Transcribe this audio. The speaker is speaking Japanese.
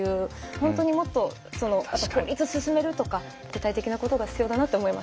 本当にもっとその法律進めるとか具体的なことが必要だなって思いました。